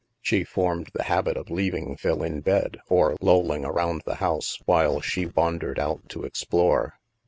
She formed the habit of leaving Phil in bed or lolling around the house, while she wandered out to explore.